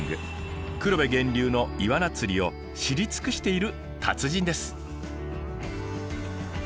黒部源流のイワナ釣りを知り尽くしている達人です。